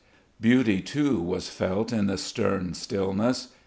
Beauty too was felt in the stern stillness.